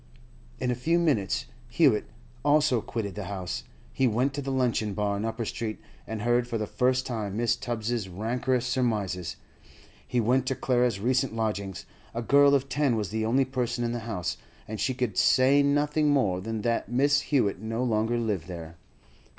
In a few minutes Hewett also quitted the house. He went to the luncheon bar in Upper Street, and heard for the first time Mrs. Tubbs's rancorous surmises. He went to Clara's recent lodgings; a girl of ten was the only person in the house, and she could say nothing more than that Miss Hewett no longer lived there.